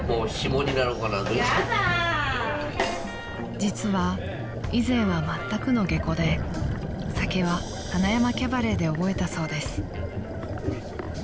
［実は以前はまったくの下戸で酒は塙山キャバレーで覚えたそうです］